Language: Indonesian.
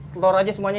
telur aja semuanya ya